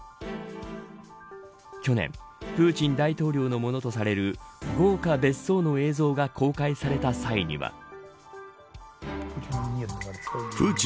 去年、プーチン大統領のものとされる豪華別荘の映像が公開された際には。